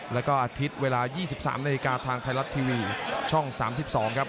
แล้วก็อาทิตย์เวลา๒๓นาฬิกาทางไทยรัฐทีวีช่อง๓๒ครับ